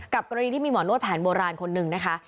กรณีที่มีหมอนวดแผนโบราณคนนึงนะคะ